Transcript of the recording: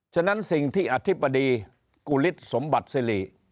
ฉะนั้นสิ่งที่อธิบดีกุฤษสมบัติสิริ